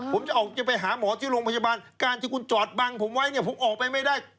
ผมจะออกจะไปหาหมอที่โรงพยาบาลการที่คุณจอดบังผมไว้เนี่ยผมออกไปไม่ได้